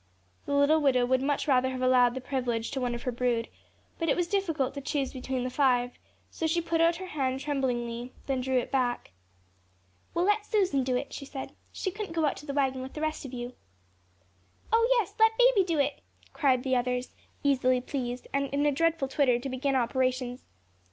The little widow would much rather have allowed this privilege to one of her brood, but it was difficult to choose between the five; so she put out her hand tremblingly, then drew it back. "We'll let Susan do it," she said; "she couldn't go out to the wagon with the rest of you." "Oh, yes, let baby do it," cried the others, easily pleased, and in a dreadful twitter to begin operations.